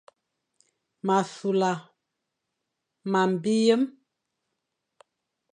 M a sula mam, biyem,